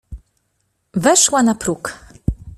"Weszła na próg."